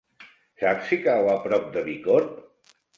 Saps si cau a prop de Bicorb?